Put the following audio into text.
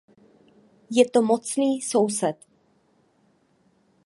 Je to mocný soused.